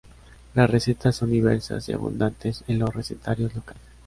Las recetas son diversas y abundantes en los recetarios locales.